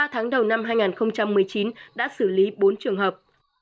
ba tháng đầu năm hai nghìn một mươi chín đã xử lý bốn trường hợp